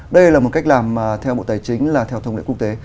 đây là một cách làm theo bộ tài chính là theo thông lệ quốc tế